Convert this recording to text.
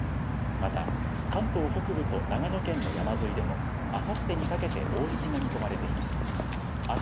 また関東北部と長野県の山沿いでもあさってにかけて大雪が見込まれています。